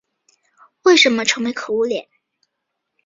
为什么愁眉苦脸？